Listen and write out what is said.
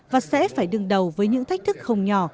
và sẽ phải đứng đầu với những thách thức không nhỏ